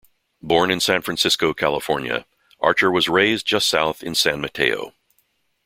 Born in San Francisco, California, Archer was raised just south in San Mateo.